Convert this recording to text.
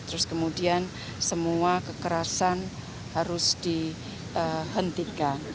terus kemudian semua kekerasan harus dihentikan